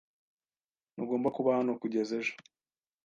Ntugomba kuba hano kugeza ejo.